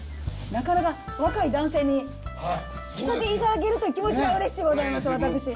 なかなか若い男性に着せていただけるという気持ちはうれしゅうございます。